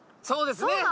そうですね。